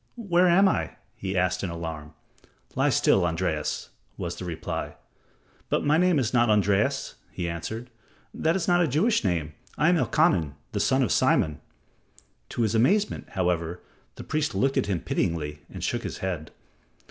"Where am I?" he asked in alarm. "Lie still, Andreas," was the reply. "But my name is not Andreas," he answered. "That is not a Jewish name. I am Elkanan, the son of Simon." To his amazement, however, the priest looked at him pityingly and shook his head.